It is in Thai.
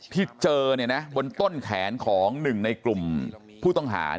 ที่เจอบนต้นแขนของหนึ่งในกลุ่มผู้ต้องหา